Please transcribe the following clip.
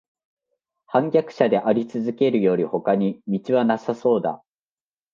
叛逆者でありつづけるよりほかに途はなさそうだ